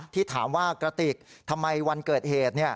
ที่ถามว่ากระติกทำไมวันเกิดเหตุ